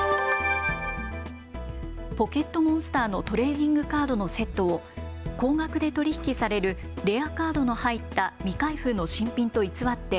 ポケットモンスターのトレーディングカードのセットを高額で取り引きされるレアカードの入った未開封の新品と偽って